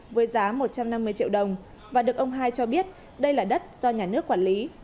với giá một trăm năm mươi triệu đồng và được ông hai cho biết đây là đất do nhà nước quản lý